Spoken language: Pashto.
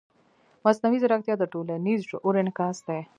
مصنوعي ځیرکتیا د ټولنیز شعور انعکاس دی.